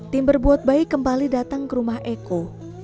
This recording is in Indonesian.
tim berbuat baik kembali datang ke rumah eko